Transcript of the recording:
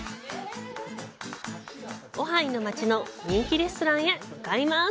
オハイの街の人気レストランへ向かいます。